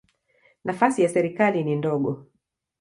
Nafasi ya serikali ni ndogo.